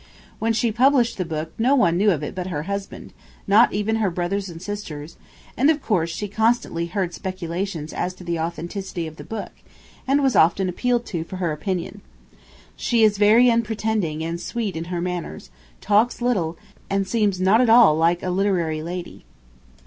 When she published the book no one knew of it but her husband, not even her brothers and sisters, and, of course, she constantly heard speculations as to the authenticity of the book, and was often appealed to for her opinion. She is very unpretending and sweet in her manners; talks little, and seems not at all like a literary lady.